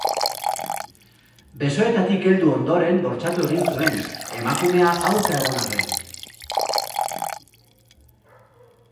Besoetatik heldu ondoren bortxatu egin zuen, emakumea aurka egon arren.